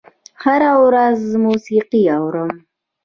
هره ورځ موسیقي اورم